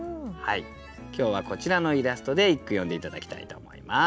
今日はこちらのイラストで一句詠んで頂きたいと思います。